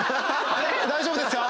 大丈夫ですか？